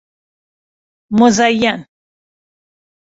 مزین